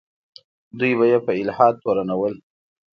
دوی به یې په الحاد تورنول.